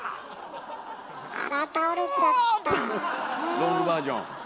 ロングバージョン。